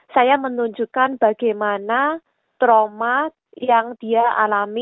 saya menunjukkannya dari memori perempuan ini yang mengalaminya secara langsung